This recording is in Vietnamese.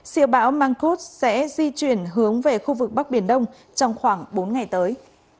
siêu bão mang sẽ di chuyển hướng về khu vực bắc biển đông trong khoảng bốn ngày tới